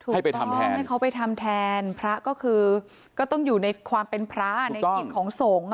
ให้ไปทำแทนพระก็คือก็อยู่ในความเป็นพระในกิจของสงฆ์ค่ะ